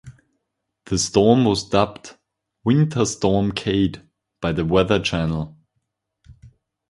The storm was dubbed "Winter Storm Kade" by The Weather Channel.